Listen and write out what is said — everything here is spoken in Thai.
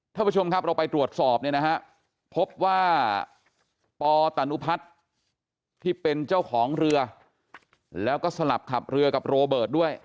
ท่านผู้ชมครับเราไปตรวจสอบเนี่ยนะฮะพบว่าปตนุพัฒน์ที่เป็นเจ้าของเรือแล้วก็สลับขับเรือกับโรเบิร์ตด้วย